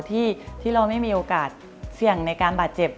ที่เราไม่มีโอกาสเสี่ยงในการบาดเจ็บ